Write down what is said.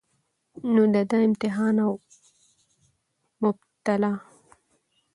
نو د ده امتحان او مبتلاء